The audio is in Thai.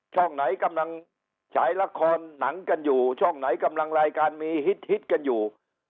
ช่องไหนกำลังฉายละครหนังกันอยู่ช่องไหนกำลังรายการมีฮิตกันอยู่